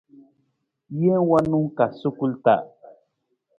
Jee wanung ka sukul taa.